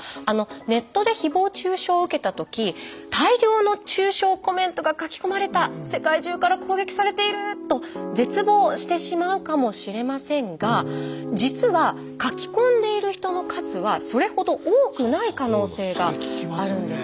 ネットでひぼう中傷を受けた時大量の中傷コメントが書き込まれた世界中から攻撃されていると絶望してしまうかもしれませんが実は書き込んでいる人の数はそれほど多くない可能性があるんです。